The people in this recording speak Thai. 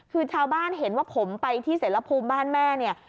คือชาวบ้านเห็นว่าผมไปที่เสรภูมิบ้านแม่เนี่ย